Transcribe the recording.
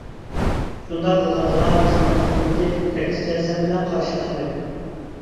شۇنداق قىلغاندىلا تىلنىڭ قۇدرىتى ئەكسىچە سەن بىلەن قارشىلاشمايدۇ.